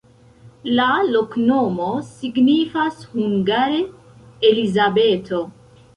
La loknomo signifas hungare: Elizabeto.